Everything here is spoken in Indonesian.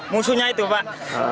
musuhnya itu pak